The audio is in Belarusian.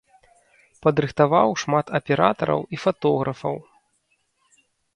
Падрыхтаваў шмат аператараў і фатографаў.